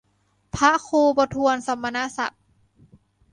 พระครูประทวนสมณศักดิ์